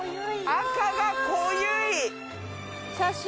赤が濃ゆい！